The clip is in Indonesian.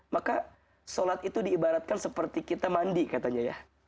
maka sholat itu diibaratkan seperti kita mandi katanya ya